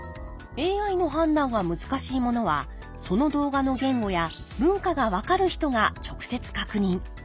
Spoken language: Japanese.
ＡＩの判断が難しいものはその動画の言語や文化が分かる人が直接確認。